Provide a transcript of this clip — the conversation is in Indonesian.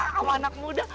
sama anak muda